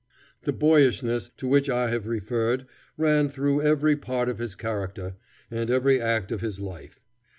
The boyishness to which I have referred ran through every part of his character and every act of his life.